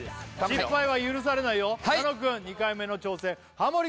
失敗は許されないよ佐野くん２回目の挑戦ハモリ